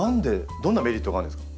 どんなメリットがあるんですか？